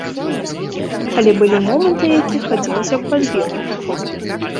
Але былі моманты, якіх хацелася б пазбегнуць.